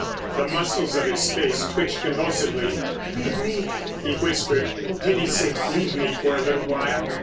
The muscles of his face twitched convulsively. "Leave me," he whispered. "For pity's sake leave me for a little while."